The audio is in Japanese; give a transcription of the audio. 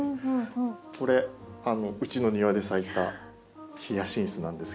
これうちの庭で咲いたヒヤシンスなんですけども。